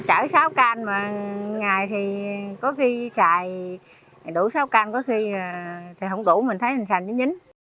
chảy sáu can mà ngày thì có khi xài đủ sáu can có khi xài không đủ mình thấy mình xài nhín nhín